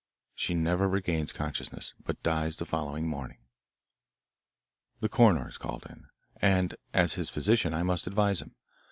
She never regains consciousness, but dies the following morning. "The coroner is called in, and, as his physician, I must advise him.